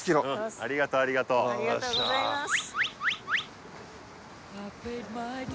ありがとうありがとうありがとうございます